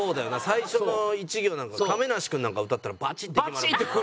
最初の１行なんか亀梨君なんかが歌ったらバチッて決まるもんな。